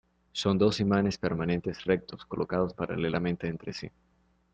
Son dos imanes permanentes rectos, colocados paralelamente entre sí.